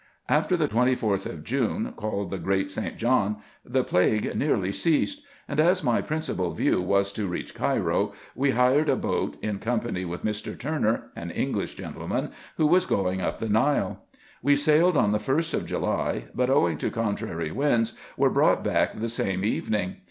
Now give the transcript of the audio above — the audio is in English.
After the 24th June, called the great St. John, the plague nearly ceased ; and as my principal view was to reach Cairo, we lured a boat, in company with Mr. Turner, an English gentleman, who was going up the Nile. We sailed on the 1st of July, but, owing to contrary winds, were brought back the same evening.